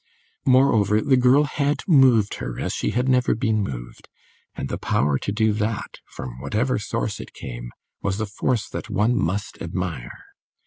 Moreover, the girl had moved her as she had never been moved, and the power to do that, from whatever source it came, was a force that one must admire.